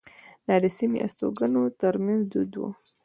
دا د سیمې د استوګنو ترمنځ دود وو.